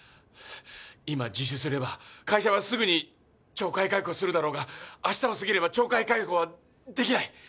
今自首すれば会社はすぐに懲戒解雇するだろうが明日を過ぎれば懲戒解雇はできない。